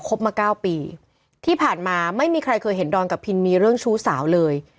บมา๙ปีที่ผ่านมาไม่มีใครเคยเห็นดอนกับพินมีเรื่องชู้สาวเลย